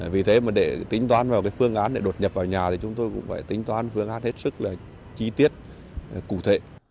vì thế mà để tính toán vào cái phương án để đột nhập vào nhà thì chúng tôi cũng phải tính toán phương án hết sức là chi tiết cụ thể